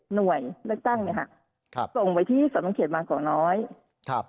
หน่วยเลือกตั้งเนี้ยค่ะครับส่งไปที่สนเขตบางก่อน้อยครับ